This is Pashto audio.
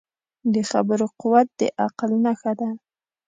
د خبرو قوت د عقل نښه ده